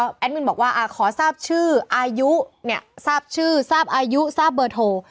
แอดมินบอกว่าขอทราบชื่ออายุเนี่ยทราบชื่อทราบอายุทราบเบอร์โทร